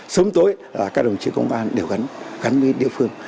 sống tối là các đồng chí công an đều gắn với địa phương